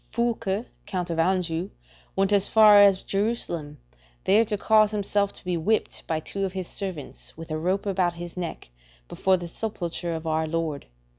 Foulke, Count of Anjou, went as far as Jerusalem, there to cause himself to be whipped by two of his servants, with a rope about his neck, before the sepulchre of our Lord.